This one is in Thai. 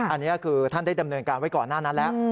อันนี้คือท่านได้ดำเนินการไว้ก่อนหน้านั้นแล้ว